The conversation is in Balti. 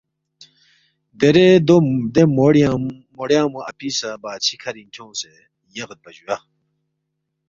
دیرے دے موڑیانگمو اپی سہ بادشی کھرِنگ کھیونگسے یغیدپا جُویا